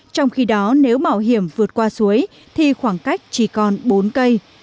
trong khi đó nếu bảo hiểm vượt qua suối thì khoảng cách chỉ còn bốn cây